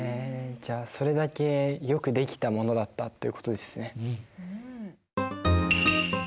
じゃあそれだけよく出来たものだったということですね。